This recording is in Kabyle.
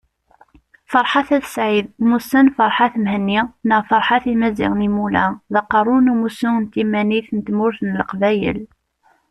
Ferḥat At Said mmusan Ferhat Mehenni neɣ Ferhat Imazighen Imula, d Aqerru n Umussu n Timanit n Tmurt n Leqbayel